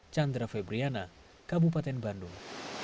chandra febriana kabupaten bandung